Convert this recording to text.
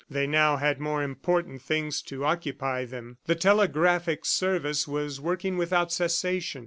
They now had more important things to occupy them. The telegraphic service was working without cessation.